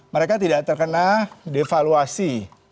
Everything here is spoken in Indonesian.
mereka tidak terkena devaluasi